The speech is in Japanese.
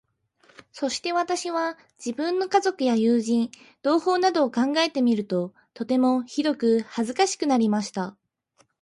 そして私は、自分の家族や友人、同胞などを考えてみると、とてもひどく恥かしくなりました。